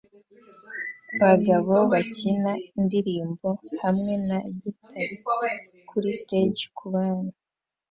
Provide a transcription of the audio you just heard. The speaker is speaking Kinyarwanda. abagabo bakina indirimbo hamwe na gitari kuri stage kubantu